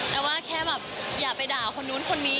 แต่ว่าแค่แบบอย่าไปด่าคนนู้นคนนี้